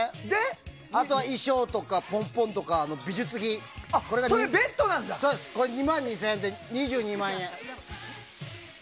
あとは、衣装とかポンポンとかの美術費が２万２０００円で合計２２万円。